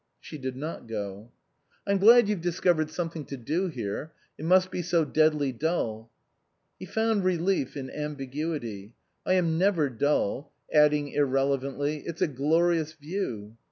She did not go. " I'm glad you've discovered something to do here. It must be so deadly dull." He found relief in ambiguity. " I am never dull "; adding irrelevantly, " it's a glorious view."